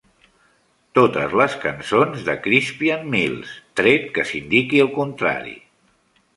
Totes les cançons de Crispian Mills, tret que s'indiqui el contrari.